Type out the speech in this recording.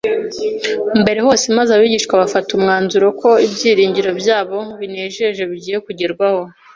mbere hose maze abigishwa bafata umwanzuro ko ibyiringiro byabo binejeje bigiye kugerwaho